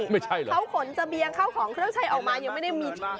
ไม่ใช่เค้าขนสะเบียงเค้าของเครื่องใช้ออกมายังไม่ได้มีจอฉายหนัง